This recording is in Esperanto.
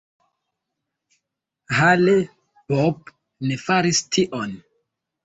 Hale-Bopp ne faris tion.